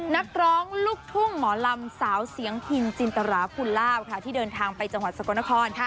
นักร้องลูกทุ่งหมอลำสาวเสียงพินจินตราภูลาภค่ะที่เดินทางไปจังหวัดสกลนคร